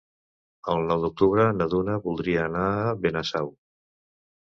El nou d'octubre na Duna voldria anar a Benasau.